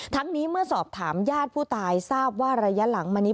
นี้เมื่อสอบถามญาติผู้ตายทราบว่าระยะหลังมานี้